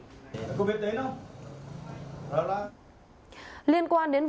cô biết đấy không